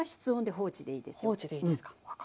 放置でいいですか。